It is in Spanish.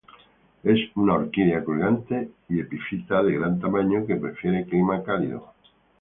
Es una orquídea colgante y epifita de gran tamaño, que prefiere clima cálido.